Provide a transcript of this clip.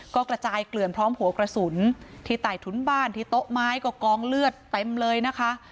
ก็กระจายเกลื่อนพร้อมหัวกระสุนที่ใต้ถุนบ้านที่โต๊ะไม้ก็กองเลือดเต็มเลยนะคะ